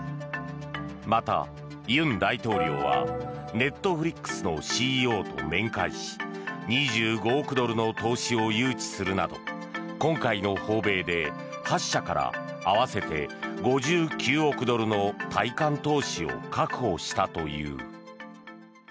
また、尹大統領はＮｅｔｆｌｉｘのＣＥＯと面会し２５億ドルの投資を誘致するなど今回の訪米で８社から合わせて５９億ドルの対韓投資を確保したという。